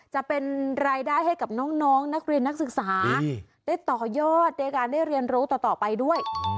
จะเป็นรายได้ให้กับน้องนักเรียนนักศึกษาได้ต่อยอดในการได้เรียนรู้ต่อไปด้วย